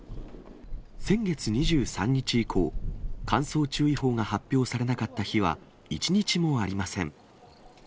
先月２３日以降、乾燥注意報が発表されなかった日は一日もありません。